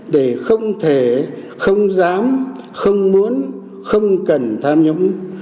để không thể không dám không muốn không cần tham nhũng